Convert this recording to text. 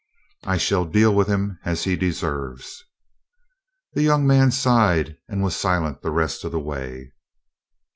"I shall deal with him as he deserves." The young man sighed and was silent the rest of the way.